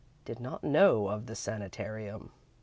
Did not know of the sanitarium.